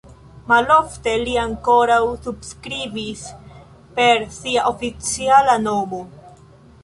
Malofte li ankoraŭ subskribis per sia oficiala nomo.